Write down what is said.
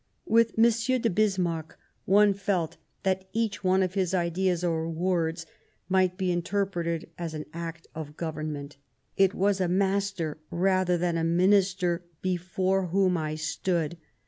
... With M. de Bismarck one felt that each one of his ideas or words might be interpreted as an act of Government. It was a master rather than a minister before whom I stood.